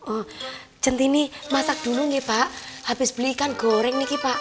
oh centini masak dulu nge pak habis beli ikan goreng neki pak